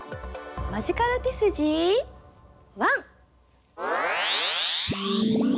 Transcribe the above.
「マジカル手筋１」！